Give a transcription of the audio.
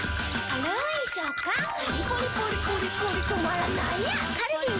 軽ーい食感カリッポリポリポリポリ止まらないやつカルビー！